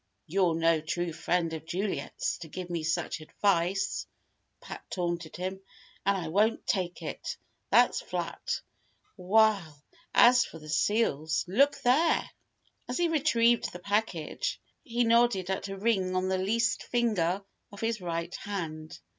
"You're no true friend of Juliet's, to give me such advice," Pat taunted him. "And I won't take it. That's flat. While as for the seals, look there!" As he retrieved the package, he nodded at a ring on the least finger of his right hand.